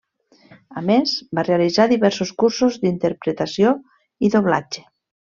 A més, va realitzar diversos cursos d'interpretació i doblatge.